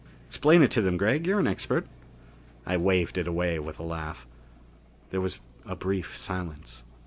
Explain it to them, Gregg. You're an expert." I waved it away with a laugh. There was a brief silence.